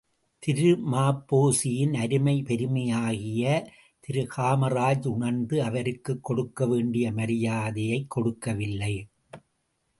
திரு ம.பொ.சியின் அருமை பெருமையை திரு காமராஜ் உணர்ந்து அவருக்குக் கொடுக்க வேண்டிய மரியாதையைக் கொடுக்கவில்லை.